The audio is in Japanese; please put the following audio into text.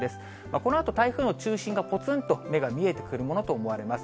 このあと台風の中心がぽつんと目が見えてくるものと思われます。